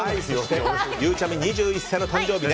ゆうちゃみ、２１歳の誕生日。